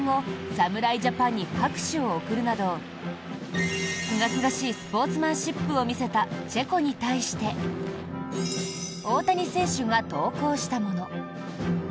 侍ジャパンに拍手を送るなどすがすがしいスポーツマンシップを見せたチェコに対して大谷選手が投稿したもの。